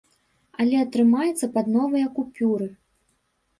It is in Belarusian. Але атрымаецца пад новыя купюры.